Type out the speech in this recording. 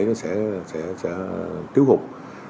nó sẽ tiếu hụt